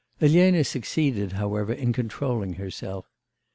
Elena succeeded, however, in controlling herself.